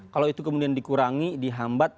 kalau itu kemudian dikurangi dihambat